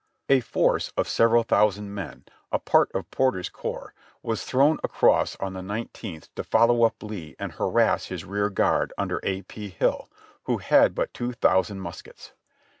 A force of several thousand men. a part of Porter's corps, was thrown across on the nineteenth to follow up Lee and harass his rear guard under A. P. Hill, who had but two thousand mus kets.